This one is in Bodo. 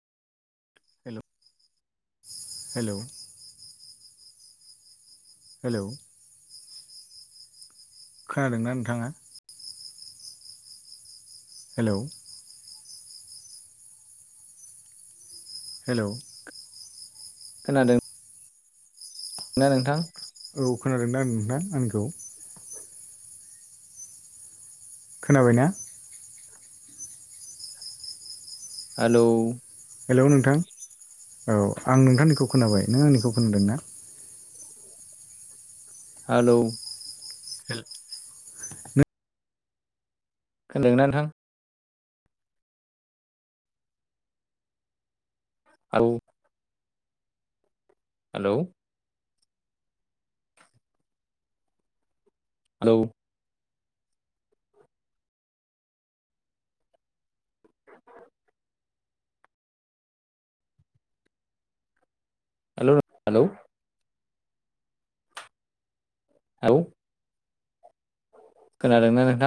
हेल हेलौ हेलौ खोनादोंना नोंथाङा हेलौ हेलौ खोनादों ना नोंथां औ खोनादों दा आ आंनिखौ खोनाबाय ना हेलौ हेलौ नोंथां औ आं नोंथांनिखौ खोनाबाय नों आंनिखौ खोनादों ना हेलौ खोनादोंना नोंथां औ हेलौ हेलौ हेलौ हेलौ औ खोनादोंना नोंथां